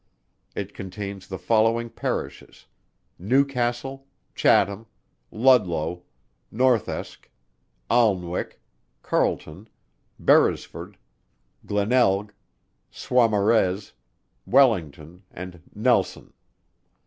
It contains the following Parishes: Newcastle, Chatham, Ludlow, Northesk, Alnwick, Carleton, Beresford, Glenelg, Saumarez, Wellington, and Nelson.